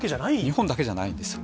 日本だけじゃないんですよ。